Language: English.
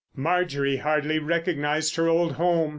Marjorie hardly recognised her old home.